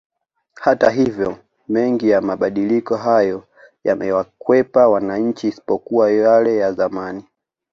Hata hivyo mengi ya mabadiliko hayo yamewakwepa wananchi isipokuwa yale ya zamani